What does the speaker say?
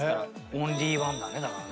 オンリーワンだねだからね。